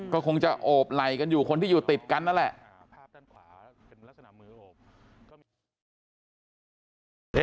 ก็คงจะโอบไหล่กันอยู่คนที่อยู่ติดกันนั่นแหละ